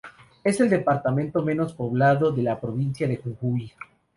Es el departamento menos poblado de la provincia de Jujuy.